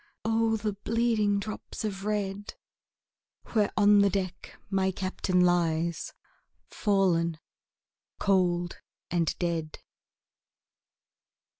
O the bleeding drops of red, Where on the deck my Captain lies, Fallen cold and dead.